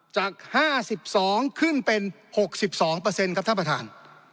จาก๕๒ขึ้นเป็น๖๒ครับท่านประธาน